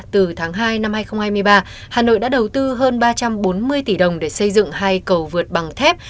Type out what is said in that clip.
từ tháng hai năm hai nghìn hai mươi ba hà nội đã đầu tư hơn ba trăm bốn mươi tỷ đồng để xây dựng hai cầu vượt bằng thép